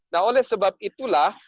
nah oleh sebab itulah